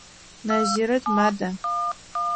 Назирэт мада?